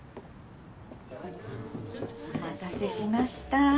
お待たせしました。